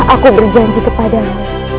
aku berjanji kepadamu